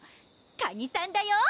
カニさんだよ